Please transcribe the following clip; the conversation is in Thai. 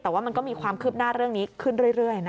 แต่ว่ามันก็มีความคืบหน้าเรื่องนี้ขึ้นเรื่อย